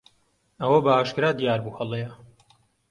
ئەوە بەئاشکرا دیار بوو هەڵەیە.